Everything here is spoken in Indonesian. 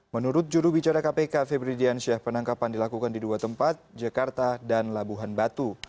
menurut jurubicara kpk febri diansyah penangkapan dilakukan di dua tempat jakarta dan labuhan batu